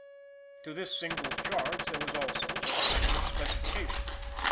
To this single Charge there was, also, but a single Specification.